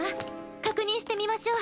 確認してみましょう。